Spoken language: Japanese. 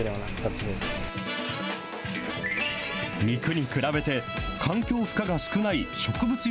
肉に比べて、環境負荷が少ない植物